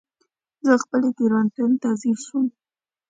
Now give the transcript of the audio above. زه خپلې تېروتنې ته ځير شوم.